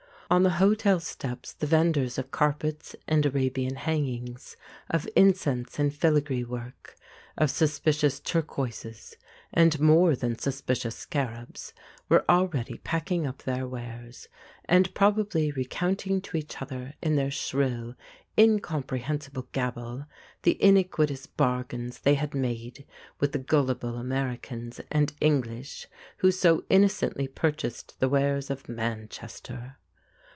On the hotel steps the vendors of carpets and Arabian hangings, of incense and filigree work, of suspicious turquoises and more than sus picious scarabs were already packing up their wares, and probably recounting to each other in their shrill incomprehensible gabble the iniquitous bargains they had made with the gullible Americans and English, who so innocently purchased the wares of Manchester.